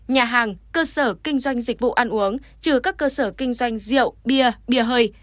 nhà hàng cơ sở kinh doanh dịch vụ ăn uống trừ các cơ sở kinh doanh rượu bia bìa hơi